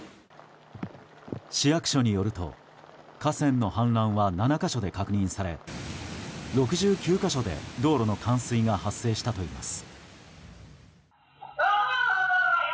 市役所によると河川の氾濫は７か所で確認され６９か所で道路の冠水が発生したといいます。